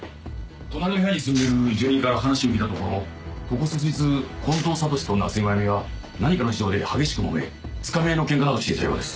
隣の部屋に住んでる住人から話を聞いたところここ数日近藤悟史と夏井真弓は何かの事情で激しくもめつかみ合いの喧嘩などしていたようです。